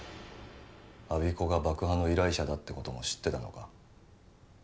我孫子が爆破の依頼者だってことも知ってたのか？